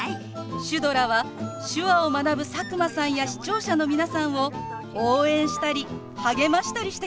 シュドラは手話を学ぶ佐久間さんや視聴者の皆さんを応援したり励ましたりしてくれるんですよ。